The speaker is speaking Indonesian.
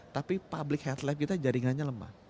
tapi public health lab kita jaringannya lemah